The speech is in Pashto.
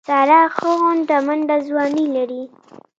ساره ښه غونډه منډه ځواني لري.